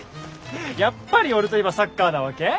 やっぱり俺といえばサッカーなわけ？